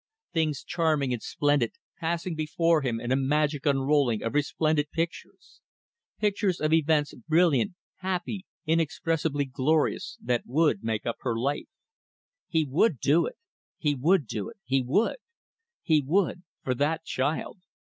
Things charming and splendid passing before him in a magic unrolling of resplendent pictures; pictures of events brilliant, happy, inexpressibly glorious, that would make up her life. He would do it! He would do it. He would! He would for that child!